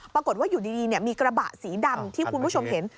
ปรากฏว่าอยู่ดีมีกระบะสีดำที่คุณผู้ชมเห็น